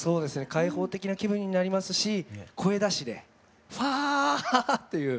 開放的な気分になりますし声出しで「ファー」っていう。